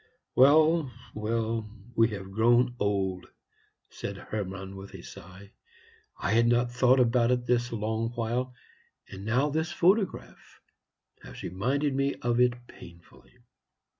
"Well, well, we have grown old," said Hermann, with a sigh. "I had not thought about it this long while; and now this photograph has reminded me of it painfully."